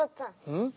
うん？